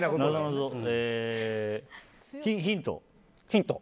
ヒント。